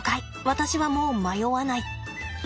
私はもう迷わない。